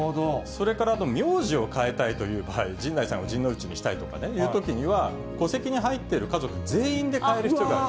それから名字を変えたいという場合、陣内さんをじんのうちにしたいとかいうときにはね、戸籍に入っている家族全員で変える必要がある。